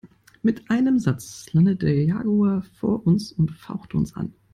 Mit einem Satz landete der Jaguar vor uns und fauchte uns an.